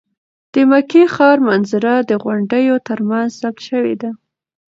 د مکې ښار منظره د غونډیو تر منځ ثبت شوې ده.